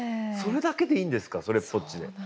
それだけでいいんですかそれっぽっちで。